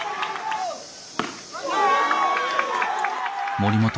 森本